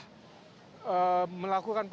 melakukan persidangan yang digelar secara online